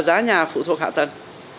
giá nhà phụ thuộc hạ tầng